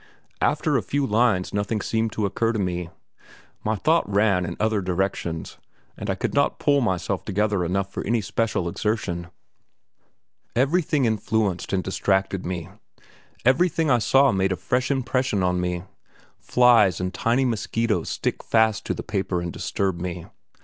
After a few lines nothing seemed to occur to me; my thought ran in other directions, and I could not pull myself together enough for any special exertion. Everything influenced and distracted me; everything I saw made a fresh impression on me. Flies and tiny mosquitoes stick fast to the paper and disturb me.